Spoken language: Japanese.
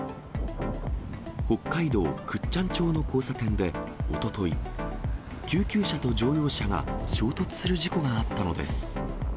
北海道倶知安町の交差点でおととい、救急車と乗用車が衝突する事故があったのです。